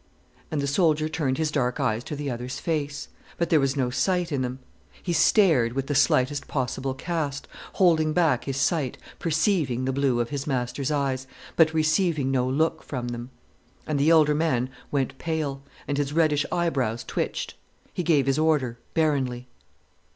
And the soldier turned his dark eyes to the other's face, but there was no sight in them: he stared with the slightest possible cast, holding back his sight, perceiving the blue of his master's eyes, but receiving no look from them. And the elder man went pale, and his reddish eyebrows twitched. He gave his order, barrenly.